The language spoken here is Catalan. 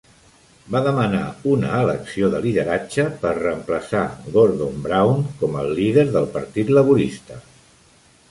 Va demanar una elecció de lideratge per reemplaçar Gordon Brown com al líder del Partit Laborista.